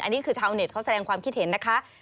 อันนี้คือชาวเน็ตเขาแสดงความคิดเห็นนะคะ